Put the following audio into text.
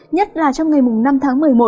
nhất là trong ngày năm tháng một mươi một